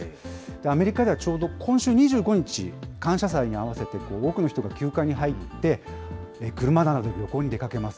アメリカではちょうど、今週２５日、感謝祭に合わせて多くの人が休暇に入って、車などで旅行に出かけます。